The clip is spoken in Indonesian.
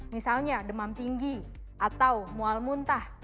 misalnya demam tinggi atau mual muntah